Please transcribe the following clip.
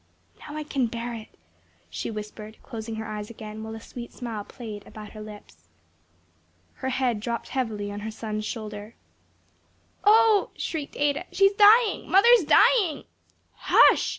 "Now I can bear it," she whispered, closing her eyes again, while a sweet smile played about her lips. Her head dropped heavily on her son's shoulder. "Oh," shrieked Ada, "she's dying! mother's dying!" "Hush!"